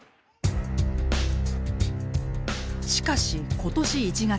しかし今年１月。